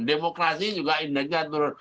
demokrasi juga indahnya turun